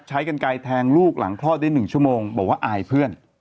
ใช้กันไกลแทงลูกหลังคลอดได้๑ชั่วโมงบอกว่าอายเพื่อน